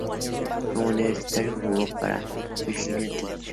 Como universitario, jugó para Virginia Tech.